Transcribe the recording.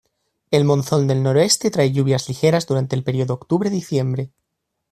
El monzón del noroeste trae lluvias ligeras durante el período octubre-diciembre.